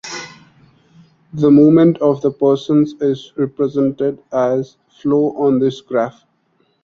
The movement of the persons is represented as flow on this graph.